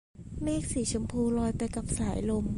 เมฆสีชมพูลอยไปกับสายลม